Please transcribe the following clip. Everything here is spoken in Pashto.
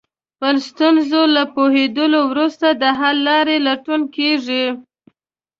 په ستونزه له پوهېدو وروسته د حل لارې لټون کېږي.